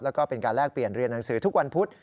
แล้วก็เป็นการแลกเปลี่ยนเรียนหนังสือทุกวันพุธ